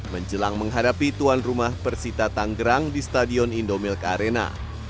menjelang menghadapi tuan rumah persita tanggerang di stadion indomilk arena